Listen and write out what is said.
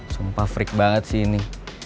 sumpah frik banget sih ini